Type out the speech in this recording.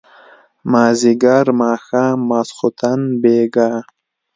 مازيګر ماښام ماسخوتن بېګا